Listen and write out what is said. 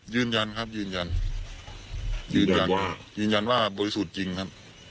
ยืนยันครับยืนยันยืนยันยืนยันว่าบริสุทธิ์จริงครับ